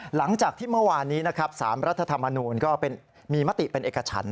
หลังจากที่เมื่อวานนี้นะครับ๓รัฐธรรมนูลก็มีมติเป็นเอกฉัน